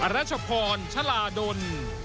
รัชพรชลาดล